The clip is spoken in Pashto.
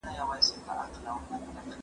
زاګروس غرونو ته لاړ.